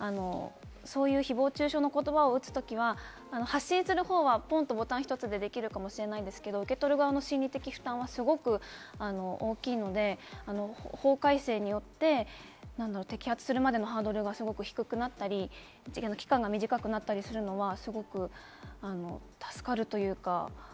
そういう誹謗中傷の言葉を打つ時は、発信するほうはポンとボタンひとつでできるかもしれないんですけど、受け取る側の心理的負担はすごく大きいので法改正によって摘発するまでのハードルが低くなったり、期間が短くなったりするのはすごく助かるというか。